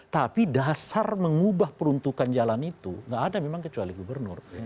tapi dasar mengubah peruntukan jalan itu gak ada memang kecuali gubernur